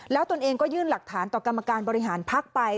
แล้วตนเองก็ยื่นหลักฐานต่อกรรมการบริหารพักไป